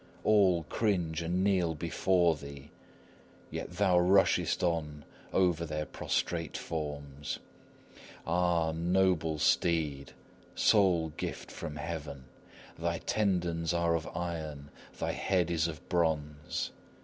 All cringe and kneel before thee, yet thou rushest on over their prostrate forms. Ah, noble steed! Sole gift from heaven! Thy tendons are of iron, thy head is of bronze.